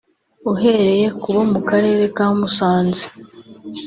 Ahereye ku bo mu Karere ka Musanze